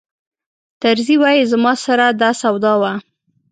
طرزي وایي زما سره دا سودا وه.